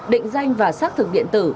định danh và xác thực điện tử